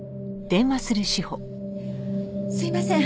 すいません。